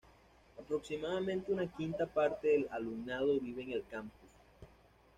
Aproximadamente una quinta parte del alumnado vive en el campus.